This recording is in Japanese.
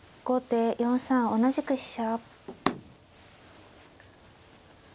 先手４三同じく飛車